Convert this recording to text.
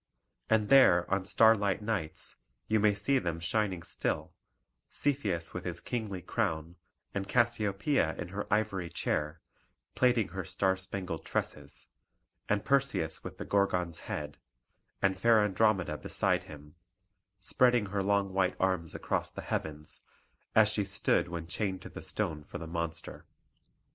And there on starlight nights you may see them shining still; Cepheus with his kingly crown, and Cassiopoeia in her ivory chair, plaiting her star spangled tresses, and Perseus with the Gorgon's head, and fair Andromeda beside him, spreading her long white arms across the heavens, as she stood when chained to the stone for the monster.